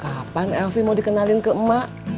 kapan elvi mau dikenalin ke emak